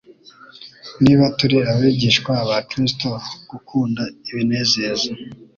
Niba turi abigishwa ba Kristo, gukunda ibinezeza